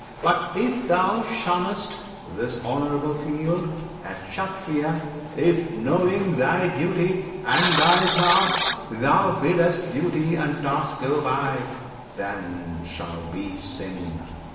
But, if thou shunn'st This honourable field a Kshattriya If, knowing thy duty and thy task, thou bidd'st Duty and task go by that shall be sin!